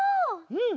うん。